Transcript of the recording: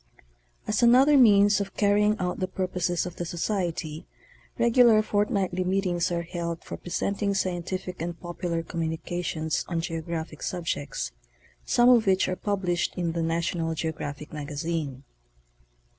As another means of carrying out the purposes of the Socirry, regular fortnightly meetings are held for presenting scientific and Announcement. 289 popular communications on geographic subjects, some of which are published in the National Geographic Magazine.